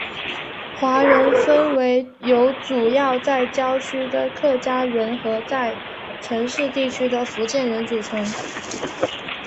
华人分为由主要在郊区的客家人和在城市地区的福建人组成。